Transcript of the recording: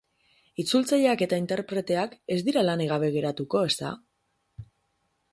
Itzultzaileak eta interpreteak ez dira lanik gabe geratuko, ezta?